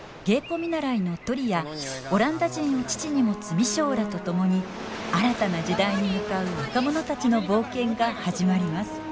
芸妓見習のトリやオランダ人を父に持つ未章らと共に新たな時代に向かう若者たちの冒険が始まります。